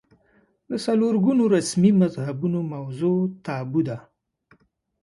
د څلور ګونو رسمي مذهبونو موضوع تابو ده